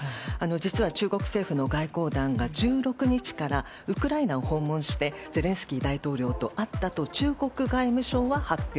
実は、中国政府の外交団が１６日からウクライナを訪問してゼレンスキー大統領と会ったと中国外務省は発表。